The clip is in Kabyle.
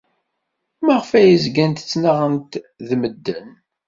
Maɣef ay zgant ttnaɣent ed medden?